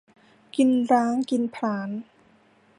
กินล้างกินผลาญ